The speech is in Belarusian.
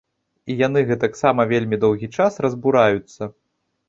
І яны гэтаксама вельмі доўгі час разбураюцца.